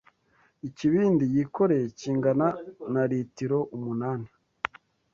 Ikibindi yikoreye kingana na ritiro umunani